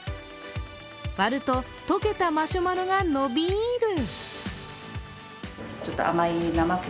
割ると溶けたマシュマロが伸びる。